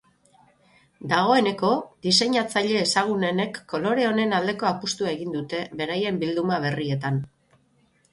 Dagoeneko diseinatzaile ezagunenek kolore honen aldeko apustua egin dute beraien bilduma berrietan.